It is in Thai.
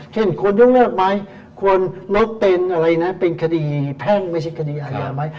เช่นควรนุกเริกไหมควรลดเป็นได้เป็นคารีแพร่งไม่ใช่คารีอาญา